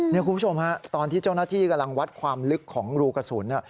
นี่คุณผู้ชมฮะตอนที่เจ้าหน้าที่กำลังวัดความลึกของรูกระสุน